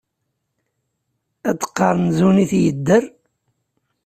Ad d-qqaṛen zun-it yedder.